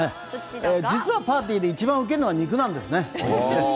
実はパーティーでいちばんうけるのは肉なんですね。